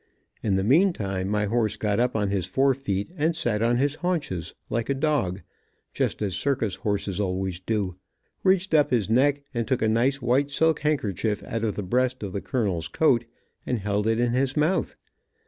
In the meantime my horse got up on his fore feet and sat on his haunches, like a dog, just as circus horses always do, reached up his neck and took a nice white silk handkerchief out of the breast of the colonel's coat, and held it in his mouth.